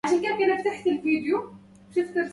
عندي لكم يا آل ودي دعوة